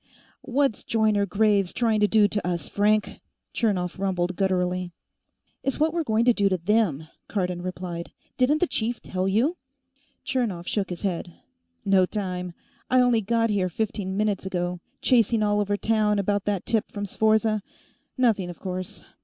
"What's Joyner Graves trying to do to us, Frank?" Chernov rumbled gutturally. "It's what we're going to do to them," Cardon replied. "Didn't the chief tell you?" Chernov shook his head. "No time. I only got here fifteen minutes ago. Chasing all over town about that tip from Sforza. Nothing, of course.